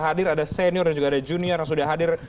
hadir ada senior dan juga ada junior yang sudah hadir